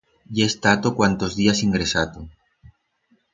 I he estato cuantos días ingresato.